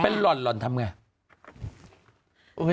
เป็นหล่อนหล่อนทำไง